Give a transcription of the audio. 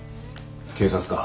警察か？